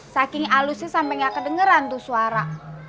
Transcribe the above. saking halusnya sampai gak kedengeran tuh suara